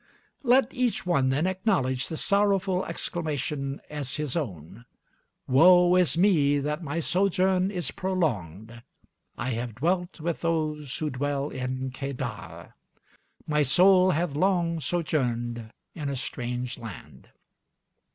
Let each one then acknowledge the sorrowful exclamation as his own: "Woe is me that my sojourn is prolonged! I have dwelt with those who dwell in Kedar. My soul hath long sojourned in a strange land."